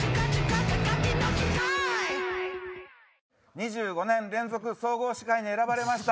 ２５年連続総合司会に選ばれました。